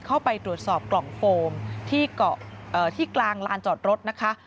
เข้าไปตรวจสอบกล่องโฟมที่เกาะที่กลางลานจอดรถนะคะ